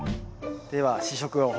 では試食の方を。